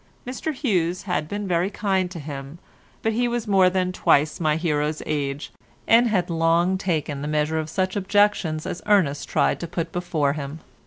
Mr Hughes had been very kind to him, but he was more than twice my hero's age, and had long taken the measure of such objections as Ernest tried to put before him.